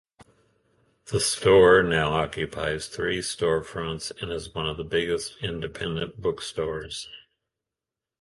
The store now occupies three storefronts and is one of the biggest independent bookstores.